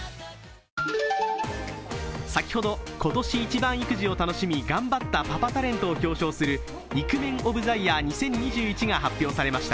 先ほど、今年一番育児を楽しみ頑張ったパパタレントを表彰するイクメンオブザイヤー２０２１が発表されました。